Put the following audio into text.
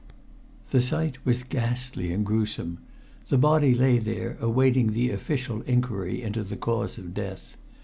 The sight was ghastly and gruesome; the body lay there awaiting the official inquiry into the cause of death.